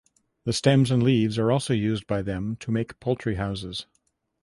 The stems and leaves are also used by them to make poultry houses.